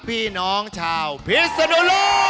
พี่น้องชาวพิศนุโลก